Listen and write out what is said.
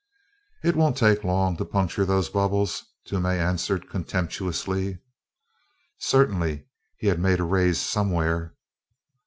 "It won't take long to puncture those bubbles," Toomey answered, contemptuously. Certainly he had made a raise somewhere!